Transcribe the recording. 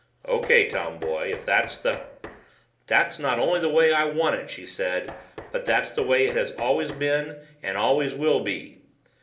"O.K., Tomboy, if that's the " "That's not only the way I want it," she said, "but that's the way it always has been and always will be.